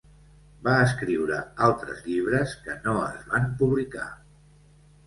Va escriure altres llibres que no es van publicar.